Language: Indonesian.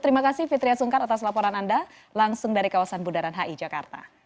terima kasih fitriah sungkar atas laporan anda langsung dari kawasan bundaran hi jakarta